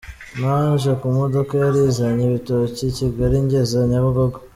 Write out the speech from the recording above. Naje ku modoka yarizanye ibitoki i Kigali ingeza Nyabugogo.